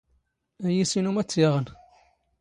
ⴰⵢⵢⵉⵙ ⵉⵏⵓ ⵎⴰⴷ ⵜ ⵢⴰⵖⵏ?